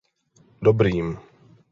Dobrým.